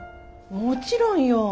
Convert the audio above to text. もちろんよ。